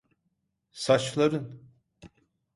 Saçların…